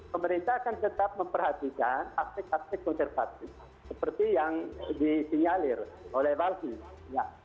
pemerintah akan tetap memperhatikan aspek aspek konservatif seperti yang disinyalir oleh palsu